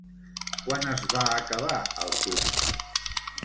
Quan es va acabar el túnel?